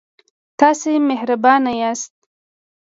تاسې مهربانه یاست.